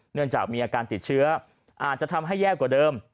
เนื่องจากมีอาการติดเชื้ออาจจะทำให้แย่กว่าเดิม